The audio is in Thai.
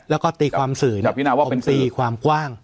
แล้วก็ตีความสื่อเนี่ยผมตีความกว้าง